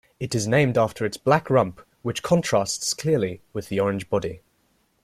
It is named after its black rump which contrast clearly with the orange body.